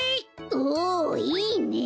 おおいいねえ！